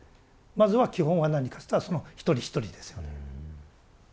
まずは基本は何かといったらその一人一人ですよね。